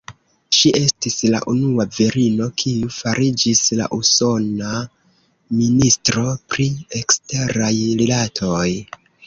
Ŝi estis la unua virino, kiu fariĝis la usona Ministro pri Eksteraj Rilatoj.